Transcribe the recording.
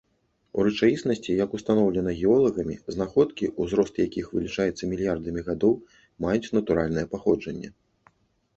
У рэчаіснасці, як устаноўлена геолагамі, знаходкі, узрост якіх вылічаецца мільярдамі гадоў, маюць натуральнае паходжанне.